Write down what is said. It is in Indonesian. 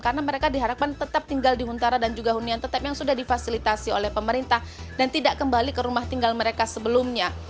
karena mereka diharapkan tetap tinggal di huntara dan juga hunian tetap yang sudah difasilitasi oleh pemerintah dan tidak kembali ke rumah tinggal mereka sebelumnya